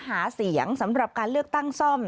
หาเสียงสำหรับการเลือกตั้งซ่อม